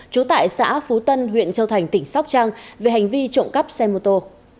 trú tại xã phú tân huyện châu thành tỉnh sóc trăng về hành vi trộm cắp xe mô tô